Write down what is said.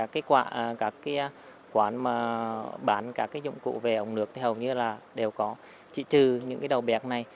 các quán bán các dụng cụ về ống nước thì hầu như đều có chỉ trừ những đầu bẹc này